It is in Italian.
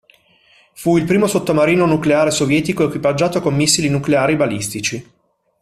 Fu il primo sottomarino nucleare sovietico equipaggiato con missili nucleari balistici.